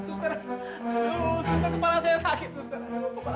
suster kepala saya sakit suster